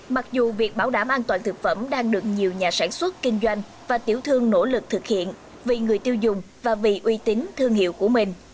mặc dù việc bảo đảm an toàn thực phẩm đang được nhiều nhà sản xuất kinh doanh và tiểu thương nỗ lực thực hiện vì người tiêu dùng và vì uy tín thương hiệu của mình